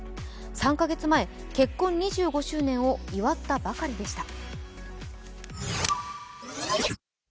３カ月前、結婚２５周年を祝ったばかりでした。